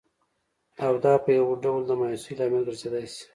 او دا په یوه ډول د مایوسۍ لامل ګرځېدای شي